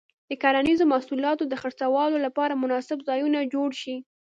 د کرنیزو محصولاتو د خرڅلاو لپاره مناسب ځایونه جوړ شي.